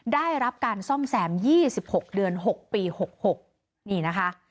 ได้รับการซ่อมแซม๒๖เดือน๖ปี๖๖นี่นะคะ